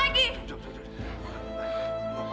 jangan jangan jangan